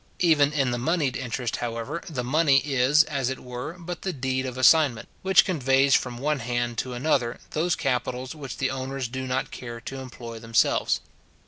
Even in the monied interest, however, the money is, as it were, but the deed of assignment, which conveys from one hand to another those capitals which the owners do not care to employ themselves.